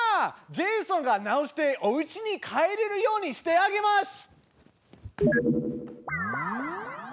ジェイソンが直しておうちに帰れるようにしてあげます！